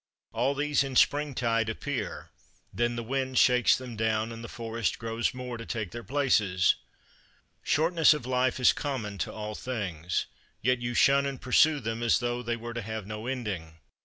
All these "in springtide appear;" then the wind shakes them down, and the forest grows more to take their places. Shortness of life is common to all things, yet you shun and pursue them, as though they were to have no ending.